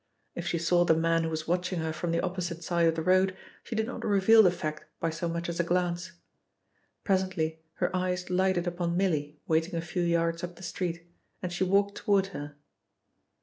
If she saw the man who was watching her from the opposite side of the road she did not reveal the fact by so much as a glance. Presently her eyes lighted upon Milly waiting a few yards up the street, and she walked toward her.